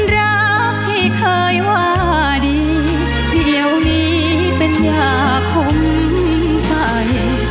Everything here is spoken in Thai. รักที่เคยว่าดีเดี๋ยวนี้เป็นยาของใจ